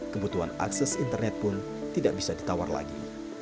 kebutuhan akses internet pun tidak bisa ditawar lagi